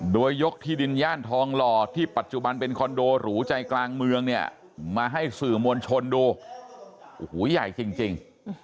โดยยกที่ดินย่านทองหล่อที่ปัจจุบันเป็นคอนโดหรูใจกลางเมืองเนี่ยมาให้สื่อมวลชนดูโอ้โหใหญ่จริง